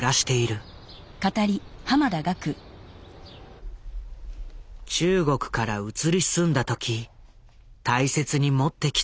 中国から移り住んだ時大切に持ってきたのが小澤の写真だ。